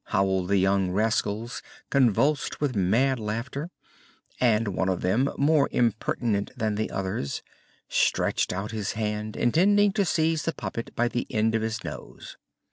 howled the young rascals, convulsed with mad laughter, and one of them, more impertinent than the others, stretched out his hand, intending to seize the puppet by the end of his nose.